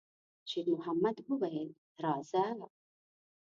شېرمحمد وویل: «راځه!»